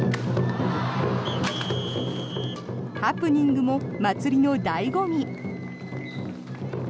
ハプニングも祭りの醍醐味。